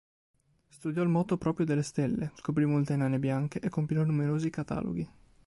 Studiò il moto proprio delle stelle, scoprì molte nane bianche e compilò numerosi cataloghi.